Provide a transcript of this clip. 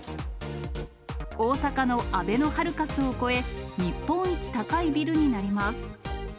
大阪のあべのハルカスを超え、日本一高いビルになります。